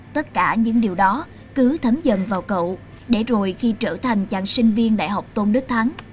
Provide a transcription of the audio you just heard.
tất cả những điều đó cứ thấm dần vào cậu để rồi khi trở thành chàng sinh viên đại học tôn đức thắng